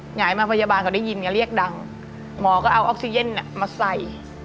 หมอก็เอาออกซีเย็นมาใส่